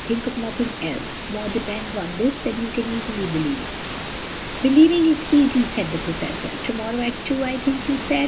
Think of nothing else. More depends on this than you can easily believe." "Believing is easy," said the Professor. "Tomorrow at two, I think you said?"